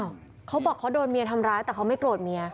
เขาบอกเขาโดนเมียทำร้ายแต่เขาไม่โกรธเมีย